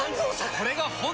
これが本当の。